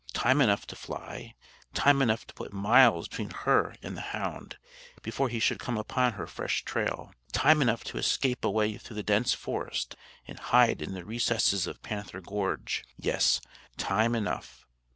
Time enough to fly; time enough to put miles between her and the hound, before he should come upon her fresh trail; time enough to escape away through the dense forest and hide in the recesses of Panther Gorge; yes, time enough.